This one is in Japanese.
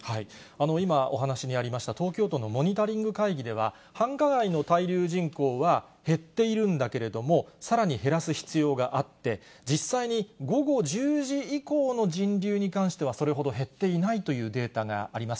今、お話にありました、東京都のモニタリング会議では、繁華街の滞留人口は減っているんだけれども、さらに減らす必要があって、実際に午後１０時以降の人流に関しては、それほど減っていないというデータがあります。